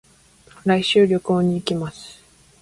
来週、旅行に行きます。